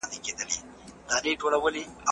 له کوم ځایه وو راغلي؟